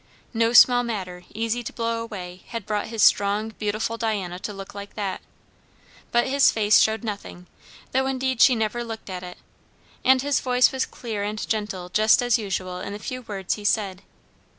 No small matter, easy to blow away, had brought his strong beautiful Diana to look like that. But his face showed nothing, though indeed she never looked at it; and his voice was clear and gentle just as usual in the few words he said.